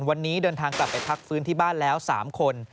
วันนี้เดินทางกลับไปพักฟื้นที่บ้านแล้ว๓คน